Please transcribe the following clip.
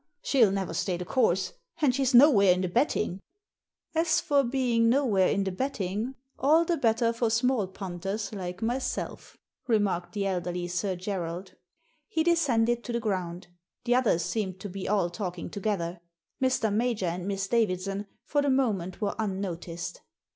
She'll never stay the course; and she's nowhere in the betting." Digitized by VjOOQIC THE TIPSTER 141 *'As for being nowhere in the betting, all the better for small punters like myself/' remarked the elderly Sir Gerald. He descended to the ground; the others seemed to be all talking together. Mr. Major and Miss Davidson for the moment were unnoticed.